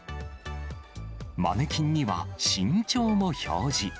マネキンには、身長も表示。